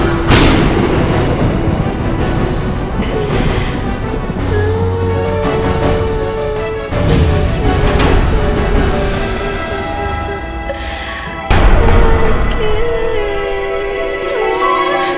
udah cepetan cepetan